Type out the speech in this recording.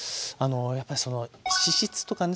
やっぱり脂質とかね